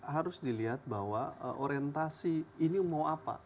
harus dilihat bahwa orientasi ini mau apa